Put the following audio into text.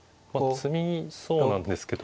詰みそうなんですけど。